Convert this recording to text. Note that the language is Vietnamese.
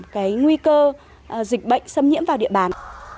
cái nguy cơ dịch bệnh xâm nhiễm vào địa bàn